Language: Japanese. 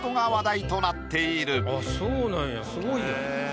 そうなんやすごいやん。